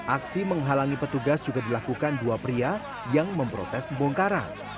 aksi menghalangi petugas juga dilakukan dua pria yang memprotes pembongkaran